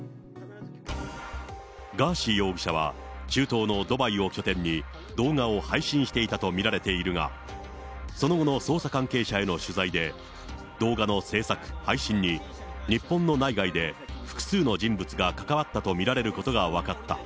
ガーシー容疑者は、中東のドバイを拠点に、動画を配信していたと見られているが、その後の捜査関係者への取材で、動画の制作・配信に、日本の内外で複数の人物が関わったと見られることが分かった。